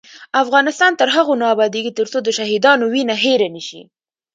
افغانستان تر هغو نه ابادیږي، ترڅو د شهیدانو وینه هیره نشي.